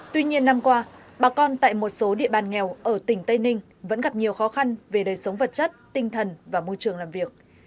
tuy nhiên năm qua bà con tại một số địa bàn nghèo ở tỉnh tây ninh vẫn gặp nhiều khó khăn về đời sống vật chất tinh thần và môi trường làm việc